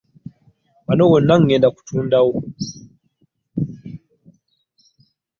Wano wonna ŋŋenda kutundawo.